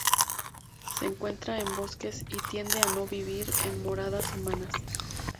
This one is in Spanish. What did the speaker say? Se encuentra en bosques, y tiende a no vivir en moradas humanas.